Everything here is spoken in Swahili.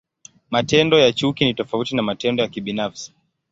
Matendo ya chuki ni tofauti na matendo ya kibinafsi.